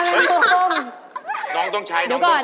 น้องต้องใช้